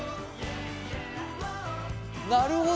なるほど。